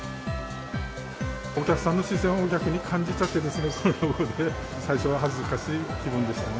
お客さんの視線を逆に感じちゃって、最初は恥ずかしい気分でしたね。